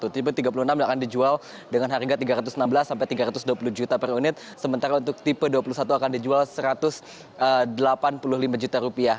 tipe tiga puluh enam akan dijual dengan harga rp tiga ratus enam belas sampai tiga ratus dua puluh juta per unit sementara untuk tipe dua puluh satu akan dijual rp satu ratus delapan puluh lima juta rupiah